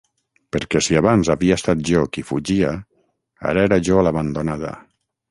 Perquè si abans havia estat jo qui fugia, ara era jo l'abandonada.